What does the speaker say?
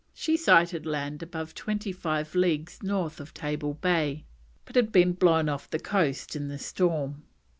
She sighted land above twenty five leagues north of Table Bay, but had been blown off the coast in the storm.